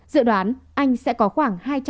dự đoán anh sẽ có khoảng hai trăm linh